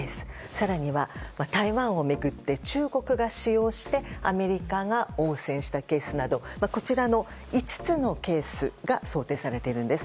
更には台湾を巡って中国が使用してアメリカが応戦したケースなどこちらの５つのケースが想定されているんです。